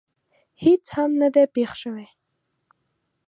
هېڅ هم نه دي پېښ شوي.